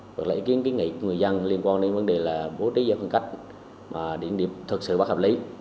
hoặc là ý kiến kinh nghị của người dân liên quan đến vấn đề là bố trí giải phân cách mà điểm điểm thực sự bất hợp lý